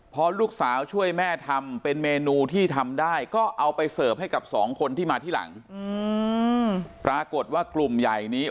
พอลูกสาวช่วยแม่ทำเป็นเมนูที่ทำได้ก็เอาไปเสิร์ฟให้กับสองคนที่มาที่หลังปรากฏว่ากลุ่มใหญ่นี้